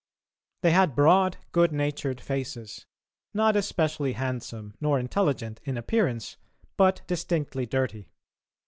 They had broad, good natured faces, not especially handsome nor intelligent in appearance, but distinctly dirty.